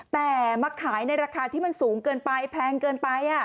แต่มาขายในราคาที่มันสูงเกินไปแพงเกินไป